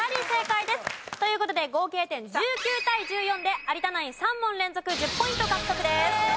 という事で合計点１９対１４で有田ナイン３問連続１０ポイント獲得です。